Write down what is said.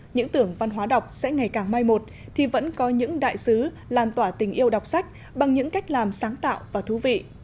những tưởng văn hóa đọc sẽ ngày càng mai một thì vẫn có những đại sứ làn tỏa tình yêu đọc sách bằng những cách làm sáng tạo và thú vị